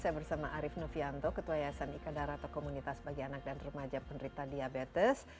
saya bersama arief novianto ketua yayasan ika darat atau komunitas bagi anak dan remaja penderita diabetes